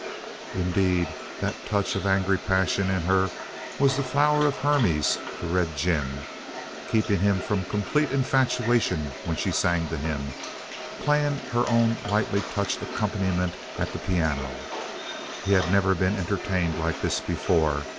Indeed, that touch of angry passion in her was the flower of Hermes to Red Jim, keeping him from complete infatuation when she sang to him, playing her own lightly touched accompaniment at the piano. He had never been entertained like this before.